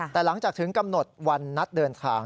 แต่หลังจากถึงกำหนดวันนัดเดินทาง